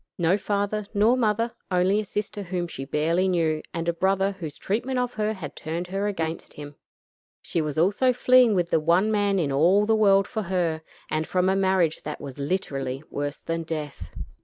No father nor mother; only a sister whom she barely knew, and a brother whose treatment of her had turned her heart against him. She was also fleeing with the one man in all the world for her, and from a marriage that was literally worse than death.